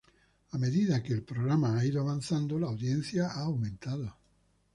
A medida que el programa ha ido avanzando, la audiencia ha aumentado.